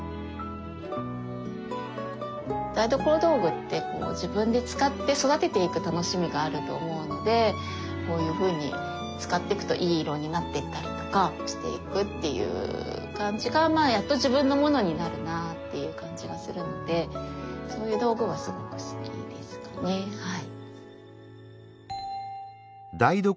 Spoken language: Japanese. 台所道具ってこうこういうふうに使っていくといい色になっていったりとかしていくっていう感じがまあやっと自分のものになるなあっていう感じがするのでそういう道具はすごく好きですかねはい。